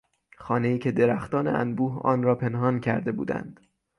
خانهای که درختان انبوه آن را پنهان کرده بودند